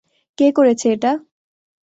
কে করেছে এটা?